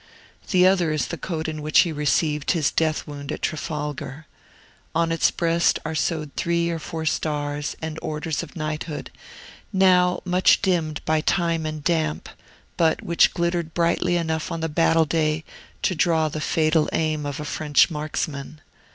The other is the coat in which he received his death wound at Trafalgar. On its breast are sewed three or four stars and orders of knighthood, now much dimmed by time and damp, but which glittered brightly enough on the battle day to draw the fatal aim of a French marksman.